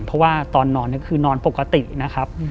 เพราะว่าตอนนอนก็คือนอนปกตินะครับ